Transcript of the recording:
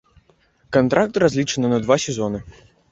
Кантракт разлічаны на два сезоны.